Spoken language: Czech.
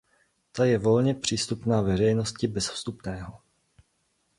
Ta je volně přístupná veřejnosti bez vstupného.